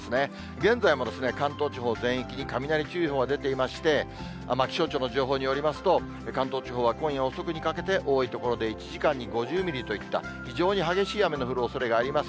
現在も関東地方全域に雷注意報が出ていまして、気象庁の情報によりますと、関東地方は今夜遅くにかけて、多い所で１時間に５０ミリといった、非常に激しい雨の降るおそれがあります。